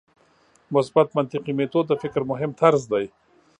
مثبت منطقي میتود د فکر مهم طرز دی.